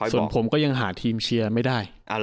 ส่วนผมก็ยังหาทีมเชียร์ไม่ได้